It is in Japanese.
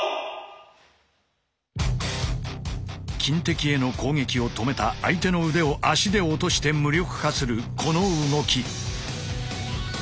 金的への攻撃を止めた相手の腕を足で落として無力化するこの動き。